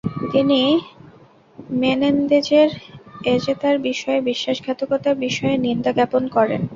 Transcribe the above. তিনি মেনেন্দেজের এজেতা’র বিষয়ে বিশ্বাসঘাতকতার বিষয়ে নিন্দাজ্ঞাপন করেন।